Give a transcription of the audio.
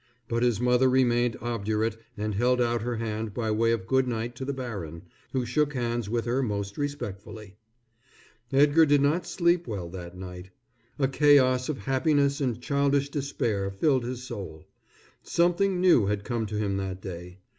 But his mother remained obdurate and held out her hand by way of good night to the baron, who shook hands with her most respectfully. Edgar did not sleep well that night. A chaos of happiness and childish despair filled his soul. Something new had come to him that day.